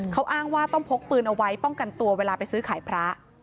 เขาอ้างว่าต้องพกปืนเอาไว้ป้องกันตัวเวลาไปซื้อขายพระ